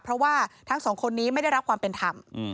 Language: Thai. เพราะว่าทั้งสองคนนี้ไม่ได้รับความเป็นธรรม